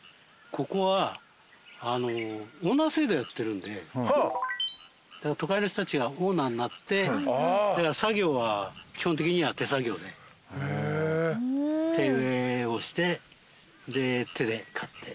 ここはオーナー制度やってるんで都会の人たちがオーナーになって作業は基本的には手作業で手植えをしてで手で刈って。